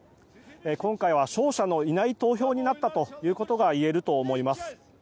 今回は勝者のいない投票になったといえると思います。